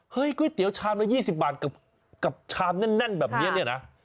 เฮ้ยก๋วยเตี๋ยวชามนึง๒๐บาทกับชามแน่นแบบนี้นะ